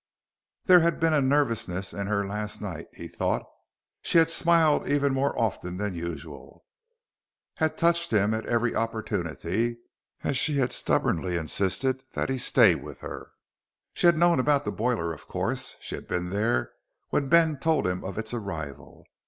There had been a nervousness in her last night, he thought. She had smiled even more often than usual, had touched him at every opportunity, as she had stubbornly insisted that he stay with her. She had known about the boiler, of course; she had been there when Ben told him of its arrival.